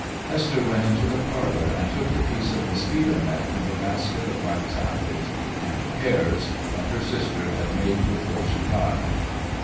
Hester went into the parlor and took the piece of mosquito net from the basket of wax apples and pears that her sister had made before she died.